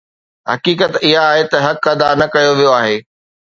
حقيقت اها آهي ته حق ادا نه ڪيو ويو آهي